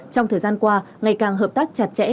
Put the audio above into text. trong thời gian qua ngày càng hợp tác chặt chẽ